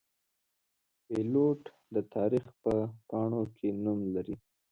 پیلوټ د تاریخ په پاڼو کې نوم لري.